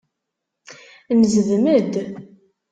Nezdem-d.